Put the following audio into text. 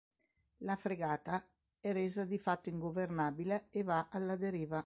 La fregata è resa di fatto ingovernabile e va alla deriva.